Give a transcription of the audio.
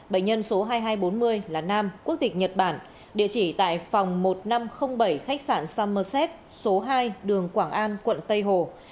bệnh nhân số hai nghìn hai trăm bốn mươi là nam quốc tịch nhật bản địa chỉ tại phòng một nghìn năm trăm linh bảy khách sạn somerset số hai đường quảng an quận tây hồ